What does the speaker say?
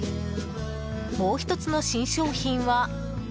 もう１つの新商品は。